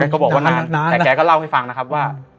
ก็บอกว่านานแต่แกก็เล่าให้ฟังนะครับว่า